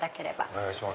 お願いします。